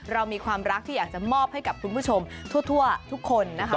เรามีความรักที่อยากจะมอบให้กับคุณผู้ชมทั่วทุกคนนะคะ